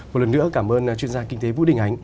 một lần nữa cảm ơn chuyên gia kinh tế vũ đình ánh